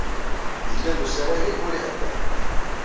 Yella-d usarag ayyur iɛeddan.